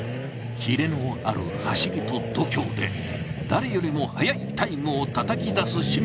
切れのある走りと度胸で誰よりも速いタイムをたたきだす清水。